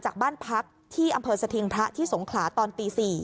จากบ้านพักที่อำเภอสถิงพระที่สงขลาตอนตี๔